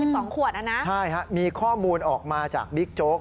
สองขวดอ่ะนะใช่ฮะมีข้อมูลออกมาจากบิ๊กโจ๊ก